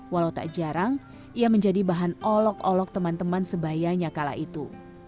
walau tak jarang ia menjadi bahan olok olok teman teman sebayanya kala itu